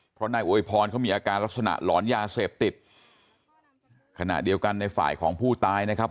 เพราะนายอวยพรเขามีอาการลักษณะหลอนยาเสพติดขณะเดียวกันในฝ่ายของผู้ตายนะครับ